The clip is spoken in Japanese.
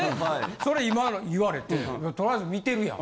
それ今の言われてとりあえず見てるやん。